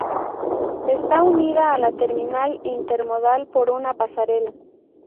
Está unida a la Terminal Intermodal por una pasarela.